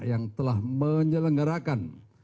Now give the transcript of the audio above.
yang telah mengawasi